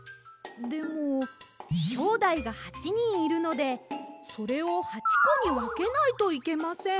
でもきょうだいが８にんいるのでそれを８こにわけないといけません。